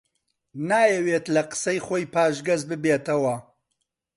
نایەوێت لە قسەی خۆی پاشگەز ببێتەوە